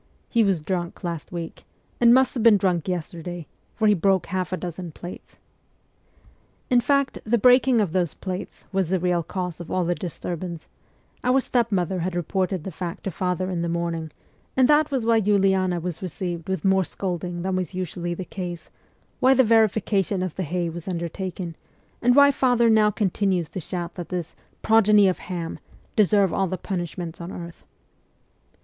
He was drunk last week, and must have been drunk yesterday, for he broke half a dozen plates. In fact, the breaking of these plates was the real cause of all the disturbance : our step mother had reported the fact to father in the morning, and that was why Uliana was received with more scolding than was usually the case, why the verification of the hay was undertaken, and why father now con tinues to shout that ' this progeny of Ham ' deserve all the punishments on earth.